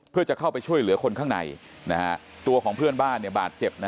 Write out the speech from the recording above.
เพื่อจะเข้าไปช่วยเหลือคนข้างในตัวของเพื่อนบ้านบาดเจ็บ